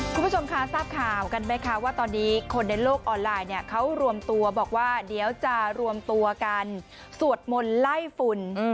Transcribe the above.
คุณผู้ชมคะทราบข่าวกันไหมคะว่าตอนนี้คนในโลกออนไลน์เนี่ยเขารวมตัวบอกว่าเดี๋ยวจะรวมตัวกันสวดมนต์ไล่ฝุ่น